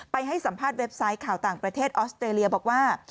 ให้สัมภาษณ์เว็บไซต์ข่าวต่างประเทศออสเตรเลียบอกว่า